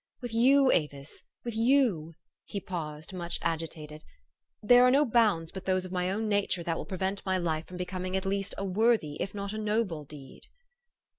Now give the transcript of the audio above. With you, Avis, with you" he paused, much agitated, "there are no bounds but those of my own nature that will prevent my life from becoming at least a worthy if not a noble deed."